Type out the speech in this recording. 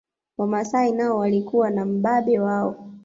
Wamasai nao walikuwa na mbabe wao